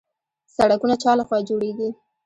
سړکونه چا لخوا جوړیږي؟